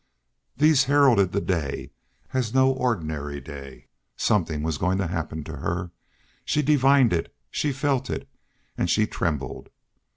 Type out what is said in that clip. These heralded the day as no ordinary day. Something was going to happen to her. She divined it. She felt it. And she trembled.